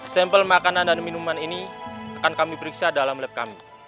sampel makanan dan minuman ini akan kami periksa dalam lab kami